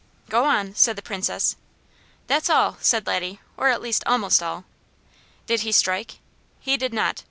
'" "Go on!" said the Princess. "That's all," said Laddie, "or at least almost all." "Did he strike?" "He did not.